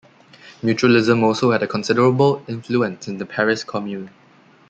Mutualism also had a considerable influence in the Paris Commune.